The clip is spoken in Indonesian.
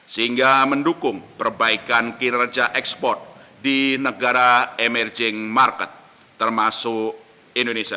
sehingga mendukung perbaikan kinerja ekspor di negara emerging market termasuk indonesia